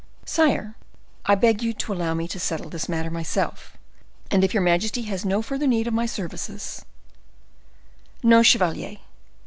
"Sire, I beg you to allow me to settle this matter myself, and if your majesty has no further need of my services—" "No, chevalier.